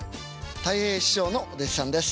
たい平師匠のお弟子さんです。